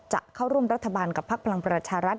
จะเข้าร่วมรัฐบาลกับพักพลังประชารัฐ